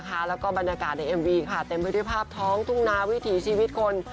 แล้วก็บรรยากาศในเอ็มวีค่ะเต็มไปด้วยภาพท้องทุ่งนาวิถีชีวิตคน